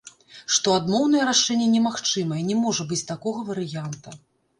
Што адмоўнае рашэнне немагчымае, не можа быць такога варыянта.